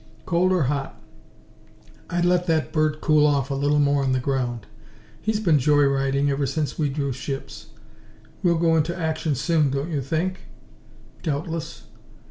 "Cold or hot, I'd let that bird cool off a little more on the ground. He's been joy riding ever since we drew ships. We'll go into action soon, don't you think?" "Doubtless."